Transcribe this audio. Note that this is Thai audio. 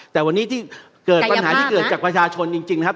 แต่วันนี้ที่เกิดปัญหาที่เกิดจากประชาชนจริงนะครับ